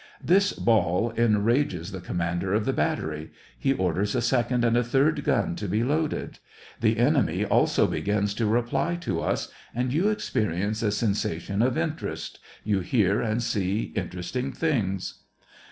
This ball enrages the commander of the battery ; he orders a second and a third gun to be loaded, the enemy also begins to reply to us, and you experience a sensation of interest, you hear and see interesting things.